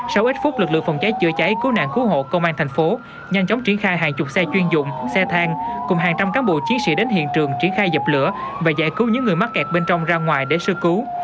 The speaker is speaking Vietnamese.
sau ít phút lực lượng phòng cháy chữa cháy cứu nạn cứu hộ công an thành phố nhanh chóng triển khai hàng chục xe chuyên dụng xe thang cùng hàng trăm cán bộ chiến sĩ đến hiện trường triển khai dập lửa và giải cứu những người mắc kẹt bên trong ra ngoài để sơ cứu